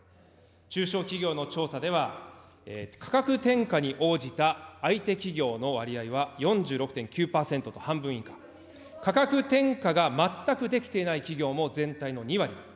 中小企業の調査では、価格転嫁に応じた相手企業の割合は、４６．９％と半分以下、価格転嫁が全くできていない企業も全体の２割です。